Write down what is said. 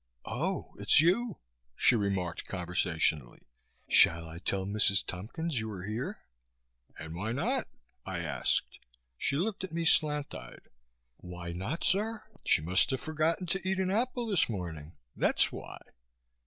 "Oh, it's you!" She remarked conversationally. "Shall I tell Mrs. Tompkins you are here?" "And why not?" I asked. She looked at me slant eyed. "Why not, sir? She must have forgotten to eat an apple this morning. That's why."